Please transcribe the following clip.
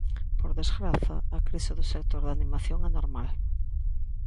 Por desgraza, a crise do sector da animación é normal.